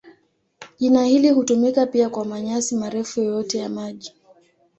Jina hili hutumika pia kwa manyasi marefu yoyote ya maji.